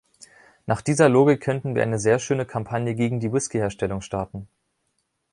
Nach dieser Logik könnten wir eine sehr schöne Kampagne gegen die Whiskyherstellung starten.